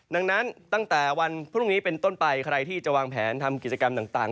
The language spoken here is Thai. ดังนั้นตั้งแต่วันพรุ่งนี้เป็นต้นไปใครที่จะวางแผนทำกิจกรรมต่าง